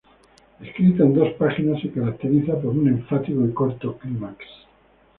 Escrita en dos páginas, se caracteriza por un enfático y corto clímax.